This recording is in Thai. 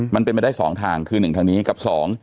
มันเป็นไปได้๒ทางคือ๑ทางนี้กับ๒